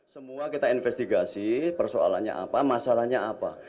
semua kita investigasi persoalannya apa masalahnya apa